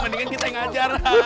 mendingan kita yang ajar